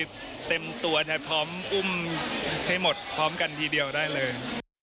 เต็มตัวพร้อมอุ้มให้หมดพร้อมกันทีเดียวได้เลย